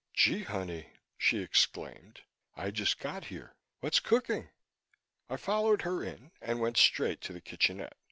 "Gee, honey," she exclaimed. "I just got here. What's cooking?" I followed her in and went straight to the kitchenette.